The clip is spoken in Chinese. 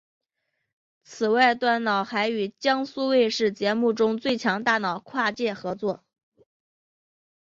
此外端脑还与江苏卫视节目最强大脑跨界合作。